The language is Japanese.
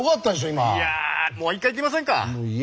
いやもう一回いきませんか？